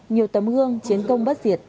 nhiều tấm gương chiến công bất diệt